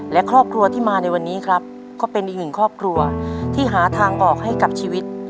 และครอบครัวที่มาในวันนี้ครับก็เป็นอีกหนึ่งครอบครัวที่หาทางออกให้กับชีวิต